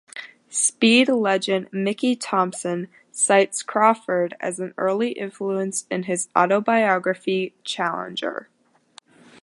Speed legend Mickey Thompson cites Crawford as an early influence in his autobiography, "Challenger".